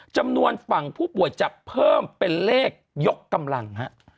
จำนวนฝั่งผู้ป่วยจะเพิ่มเป็นเลขยกกำลังฮะ